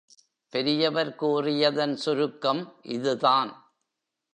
பெரியவர் கூறியதன் சுருக்கம் இதுதான்.